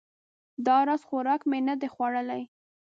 دا راز خوراک مې نه ده خوړلی